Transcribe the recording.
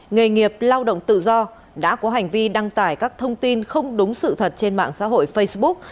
nghề nghiệp lao động tự do đã có hành vi đăng tải các thông tin không đúng sự thật trên mạng xã hội facebook